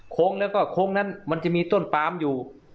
แล้วก็โค้งนั้นมันจะมีต้นปามอยู่